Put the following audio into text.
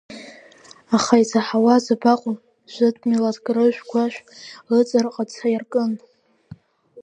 Аха изаҳауаз абаҟоу, жәытә милаҭк рышә-гәашә ыҵарҟаца иаркын.